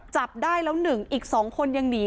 จับได้แล้ว๑อีก๒คนยังหนี